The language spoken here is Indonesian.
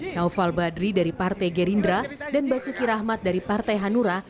naufal badri dari partai gerindra dan basuki rahmat dari partai hanura